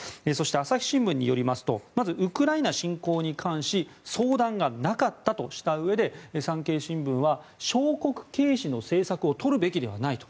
朝日新聞によりますとまずウクライナ侵攻に関し相談がなかったとしたうえで産経新聞は小国軽視の政策をとるべきではないと。